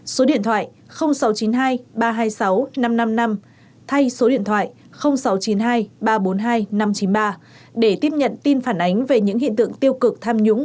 số điện thoại sáu trăm chín mươi hai ba trăm hai mươi sáu năm trăm năm mươi năm thay số điện thoại sáu trăm chín mươi hai ba trăm bốn mươi hai năm trăm chín mươi ba để tiếp nhận tin phản ánh về những hiện tượng tiêu cực tham nhũng